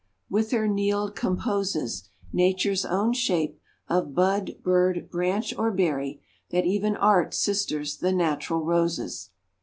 with her neeld composes Nature's own shape, of bud, bird, branch, or berry, That even Art sisters the natural roses."